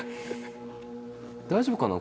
大丈夫かな？